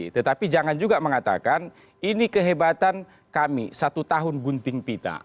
tetapi jangan juga mengatakan ini kehebatan kami satu tahun gunting pita